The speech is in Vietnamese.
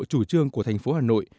chủ trương của thành phố hà nội